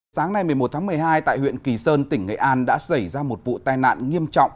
sáng nay một mươi một tháng một mươi hai tại huyện kỳ sơn tỉnh nghệ an đã xảy ra một vụ tai nạn nghiêm trọng